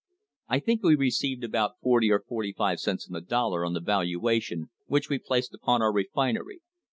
I think we received about forty or forty five cents on the dollar on the valuation which we placed upon our refinery.